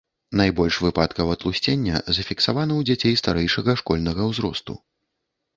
Найбольш выпадкаў атлусцення зафіксавана ў дзяцей старэйшага школьнага ўзросту.